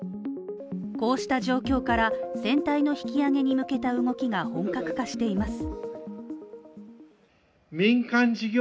こうした状況から、全体の引き上げに向けた動きが本格化しています。